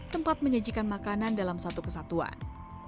tempat menyajikan makanan dalam satu kesatuan